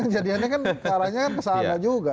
jadinya kan arahnya kan kesana juga